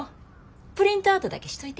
プリントアウトだけしといて。